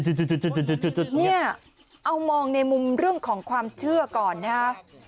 เนี่ยเอามองในมุมเรื่องของความเชื่อก่อนนะฮะ